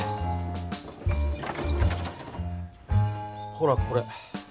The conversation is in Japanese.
ほらこれ！